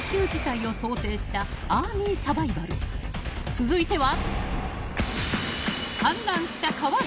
［続いては］